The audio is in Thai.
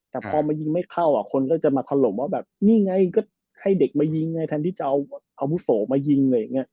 ตอนมายิงไม่เข้าคนก็จะมาถล่มว่าแบบนี่ไงก็ให้เด็กมายิงไงแทนที่จะเอาบุโสมายิง